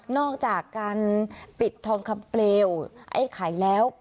อกจากการปิดทองคำเปลวไอ้ไข่แล้ว